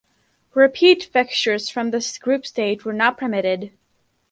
Repeat fixtures from the group stage were not permitted.